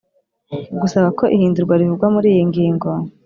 Gusaba ko ihindurwa rivugwa muri iyi ngingo